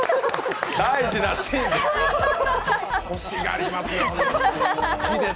大事なシーンで。